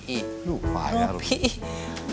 aduh payah bu